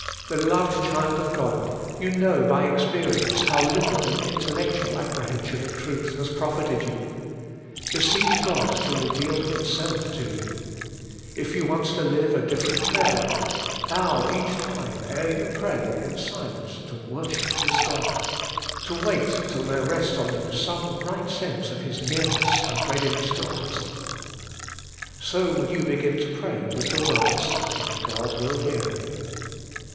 Beloved child of God ! you know by experience how little an intellectual apprehension of truth has profited you. Beseech God to reveal Himself to you. If you want to live a different prayer life, bow each time ere you pray in silence to worship this God ; to wait till there rests on you some right 146 THE MINISTRY OF INTERCESSION sense of His nearness and readiness to answer. So will you begin to pray with the words, " My God will hear me